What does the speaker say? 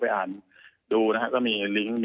ประมาณนี้